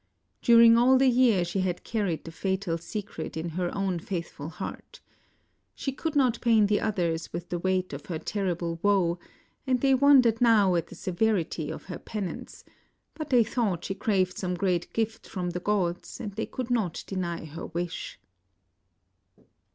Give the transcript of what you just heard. During all the year she had carried the fatal secret in her own faithful heart. She could not pain the others with the weight of her terrible woe, and they wondered now at the severity of her penance ; but they thought she craved some great gift of the gods, and they could not deny her msh.